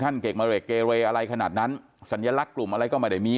เกรกมาเรกเกเรอะไรขนาดนั้นสัญลักษณ์กลุ่มอะไรก็ไม่ได้มี